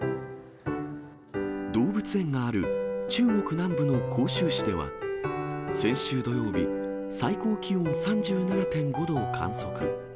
動物園がある中国南部の広州市では、先週土曜日、最高気温３７．５度を観測。